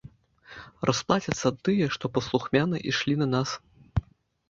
Расплацяцца тыя, што паслухмяна ішлі на нас.